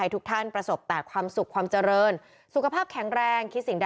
๙ล้านกว่าชีวิต